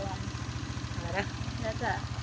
แบ่ก็ทำไปป้า